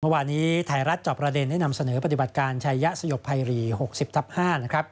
เมื่อวานนี้ไทยรัฐจอบประเด็นได้นำเสนอปฏิบัติการชัยยะสยบภัยรี๖๐ทับ๕นะครับ